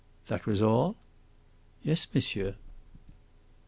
"That was all?" "Yes, monsieur."